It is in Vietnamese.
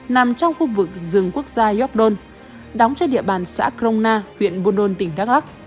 nằm trong khu vực rừng quốc gia yopdon đóng trên địa bàn xã krona huyện buồn đôn tỉnh đắk lắc